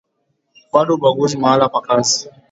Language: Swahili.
bado ubaguzi mahala pa kazi